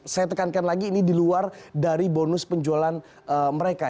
saya tekankan lagi ini di luar dari bonus penjualan mereka